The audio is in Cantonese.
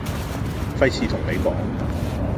費事同你講